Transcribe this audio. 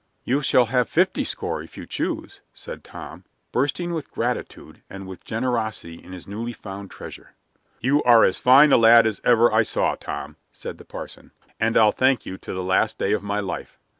"You shall have fifty score, if you choose," said Tom, bursting with gratitude and with generosity in his newly found treasure. "You are as fine a lad as ever I saw, Tom," said the parson, "and I'll thank you to the last day of my life."